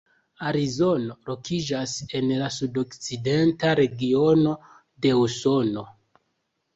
Arizono lokiĝas en la sudokcidenta regiono de Usono.